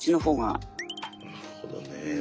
なるほどね。